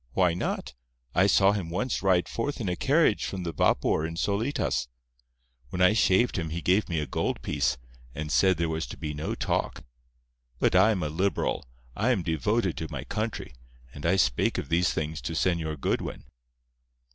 Why not? I saw him once ride forth in a carriage from the vapor in Solitas. When I shaved him he gave me a gold piece, and said there was to be no talk. But I am a Liberal—I am devoted to my country—and I spake of these things to Señor Goodwin."